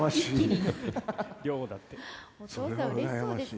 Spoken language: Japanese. お父さんうれしそうですね。